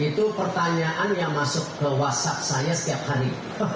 itu pertanyaan yang masuk ke whatsapp saya setiap hari